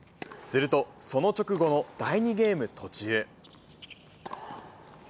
すると、その直後の第２ゲーム途中。